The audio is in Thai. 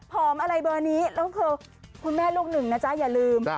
อะไรเบอร์นี้แล้วคือคุณแม่ลูกหนึ่งนะจ๊ะอย่าลืม